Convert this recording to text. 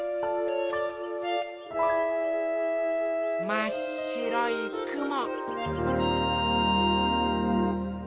まっしろいくも。